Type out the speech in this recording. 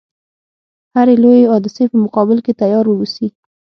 هري لويي حادثې په مقابل کې تیار و اوسي.